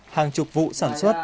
hàng chục vụ sản xuất